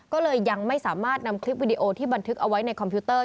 ก็เลยยังไม่สามารถนำคลิปวิดีโอที่บันทึกเอาไว้ในคอมพิวเตอร์